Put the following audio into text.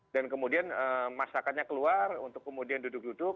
dan kemudian masakannya keluar untuk kemudian duduk duduk